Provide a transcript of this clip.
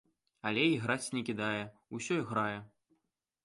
Але іграць не кідае, усё грае.